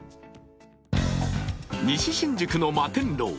西新宿の摩天楼